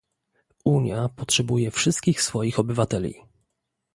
Unia potrzebuje wszystkich swoich obywateli